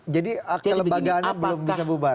jadi lembagaannya belum bisa bubar